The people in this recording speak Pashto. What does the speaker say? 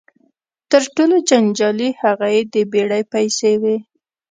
تر ټولو جنجالي هغه یې د بېړۍ پیسې وې.